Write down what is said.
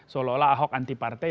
seolah olah ahok anti partai